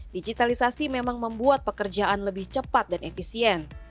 digitalisasi memang membuat pekerjaan lebih cepat dan efisien